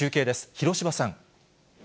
広芝さん。